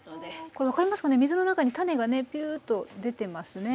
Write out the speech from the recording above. これ分かりますかね水の中に種がねぴゅっと出てますね。